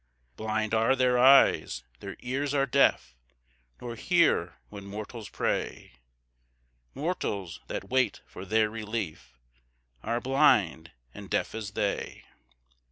7 Blind are their eyes, their ears are deaf, Nor hear when mortals pray; Mortals, that wait for their relief, Are blind, and deaf as they.